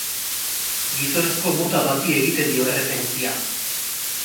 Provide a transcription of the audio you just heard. Gizonezko mota bati egiten dio erreferentzia.